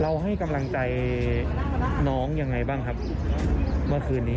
ให้กำลังใจน้องยังไงบ้างครับเมื่อคืนนี้